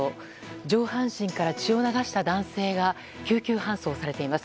上半身から血を流した男性が救急搬送されています。